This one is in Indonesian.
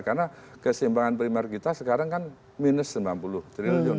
karena keseimbangan primer kita sekarang kan minus sembilan puluh triliun